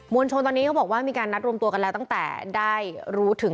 วลชนตอนนี้เขาบอกว่ามีการนัดรวมตัวกันแล้วตั้งแต่ได้รู้ถึง